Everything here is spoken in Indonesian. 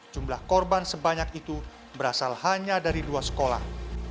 jumlah korban sebanyak itu berasal hanya dari dua sekolah